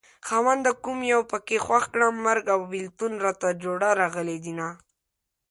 خاونده کوم يو پکې خوښ کړم مرګ او بېلتون راته جوړه راغلي دينه